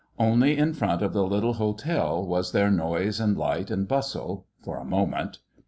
Only in front of the little hotel was there noise and light and bustle for a moment.